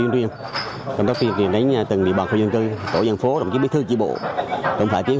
làm chuyên riêng